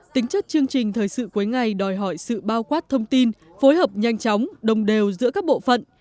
tính chất chương trình thời sự cuối ngày đòi hỏi sự bao quát thông tin phối hợp nhanh chóng đồng đều giữa các bộ phận